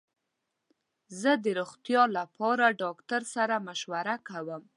زه د روغتیا لپاره ډاکټر سره مشوره کوم.